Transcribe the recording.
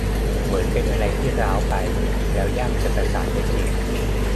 เหมือนอะไรที่มันร้าวไปแล้วยากจะประสานได้จริง